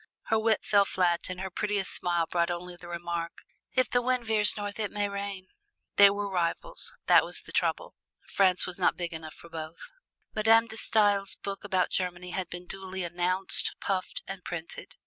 Her wit fell flat and her prettiest smile brought only the remark, "If the wind veers north it may rain." They were rivals that was the trouble. France was not big enough for both. Madame De Stael's book about Germany had been duly announced, puffed, printed.